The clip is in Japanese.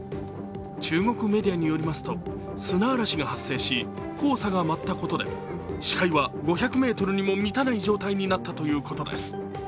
中国メディアによりますと、砂嵐が発生し黄砂が舞ったことで、視界は５００ｍにも満たない状態になったということです。